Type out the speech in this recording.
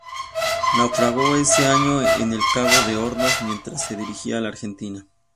Naufragó ese año en el Cabo de Hornos, mientras se dirigía a la Argentina.